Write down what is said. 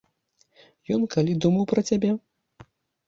Ён калі думаў пра цябе?